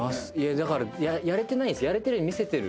だからやれてないんです。